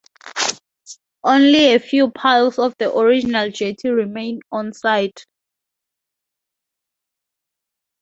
Only a few piles of the original jetty remain on site.